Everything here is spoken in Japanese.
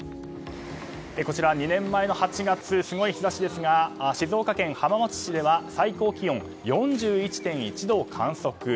こちら、２年前の８月すごい日差しですが静岡県浜松市では最高気温４１．１度を観測。